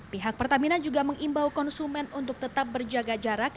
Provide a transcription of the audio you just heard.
pihak pertamina juga mengimbau konsumen untuk tetap berjaga jarak